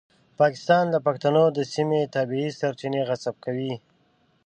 پاکستان د پښتنو د سیمې طبیعي سرچینې غصب کوي.